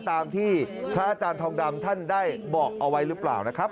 ตามที่พระอาจารย์ทองดำท่านได้บอกเอาไว้หรือเปล่านะครับ